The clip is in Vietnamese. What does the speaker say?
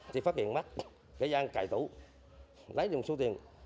thì phát hiện mắt cái gian cài tủ lấy được một số tiền